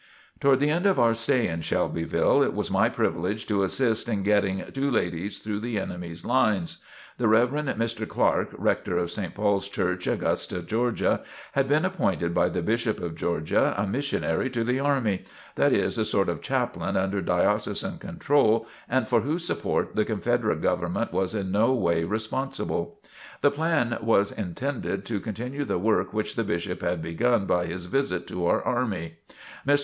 Toward the end of our stay in Shelbyville, it was my privilege to assist in getting two ladies through the enemy's lines. The Rev. Mr. Clark, rector of St. Paul's Church, Augusta, Georgia, had been appointed by the Bishop of Georgia, a Missionary to the Army, that is, a sort of Chaplain under diocesan control and for whose support the Confederate Government was in no way responsible. The plan was intended to continue the work which the Bishop had begun by his visit to our army. Mr.